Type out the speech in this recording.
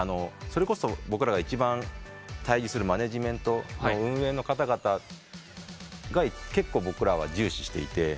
それこそ僕らが一番対峙するマネジメントの運営の方々が結構僕らは重視していて。